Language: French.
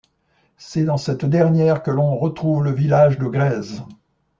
C'est dans cette dernière que l'on retrouve le village de Grèzes.